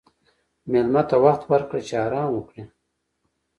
مېلمه ته وخت ورکړه چې آرام وکړي.